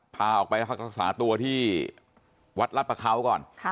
พาออกไปพักรักษาตัวที่วัดรัฐประเขาก่อน